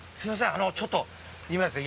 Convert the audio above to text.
あのちょっと今ですね